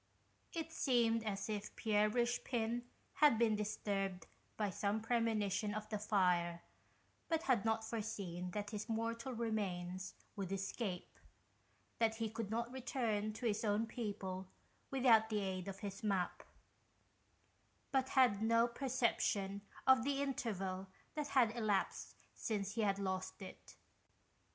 It seemed as if Pierre Richepin had been disturbed by some pre monition of the fire, but had not foreseen that his mortal remains would escape ; that he could not return to his own people without the aid of his map, but had no perception of the interval that had elapsed since he had lost it.